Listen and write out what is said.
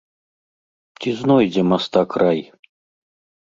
Ці знойдзе мастак рай?